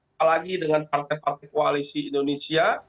apalagi dengan partai partai koalisi indonesia